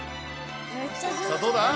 さあ、どうだ。